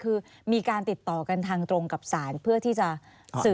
คือมีการติดต่อกันทางตรงกับศาลเพื่อที่จะสื่อ